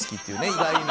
意外な。